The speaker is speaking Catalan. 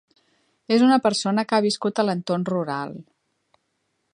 És una persona que ha viscut a l'entorn rural.